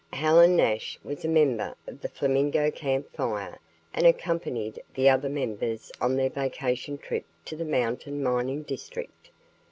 Helen Nash was a member of the Flamingo Camp Fire and accompanied the other members on their vacation trip to the mountain mining district.